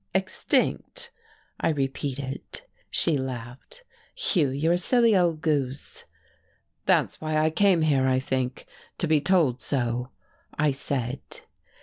"Extinct!" I repeated. She laughed. "Hugh, you're a silly old goose!" "That's why I came here, I think, to be told so," I said.